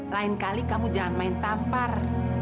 lain kali kamu jangan main tampar